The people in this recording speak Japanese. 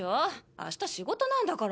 明日仕事なんだから。